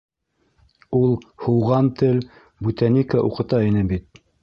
—Ул Һуған тел, Бүтәника уҡыта ине бит.